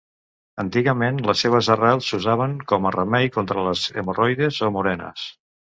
Antigament les seves arrels s'usaven com a remei contra les hemorroides o morenes.